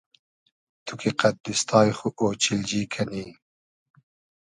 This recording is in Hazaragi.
تو کی قئد دیستای خو اۉچیلجی کئنی